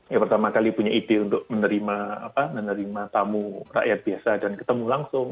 ya pertama kali punya ide untuk menerima tamu rakyat biasa dan ketemu langsung